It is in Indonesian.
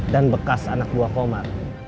dan bekas anak buah komar